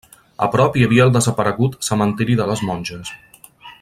A prop hi havia el desaparegut Cementiri de les Monges.